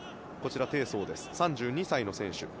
３２歳の選手。